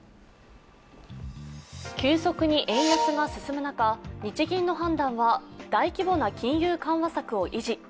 急速に円安が進む中日銀の判断は大規模な金融緩和策を維持。